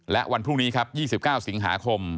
และวันพรุ่งนี้ครับ๒๙สิงหาคม